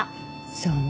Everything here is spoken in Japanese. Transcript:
そうね。